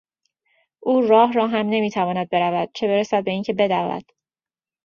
او راه هم نمیتواند برود چه برسد به اینکه بدود!